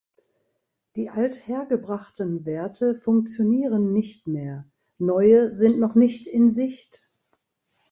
Die althergebrachten Werte funktionieren nicht mehr; neue sind noch nicht in Sicht.